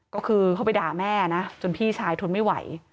ก็คือเข้าไปด่าแม่นะจนพี่ชายทนไม่ไหว